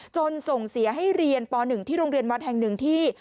ส่งเสียให้เรียนป๑ที่โรงเรียนวัดแห่งหนึ่งที่